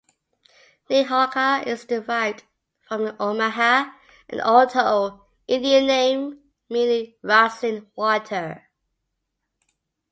Nehawka is derived from an Omaha and Otoe Indian name meaning "rustling water".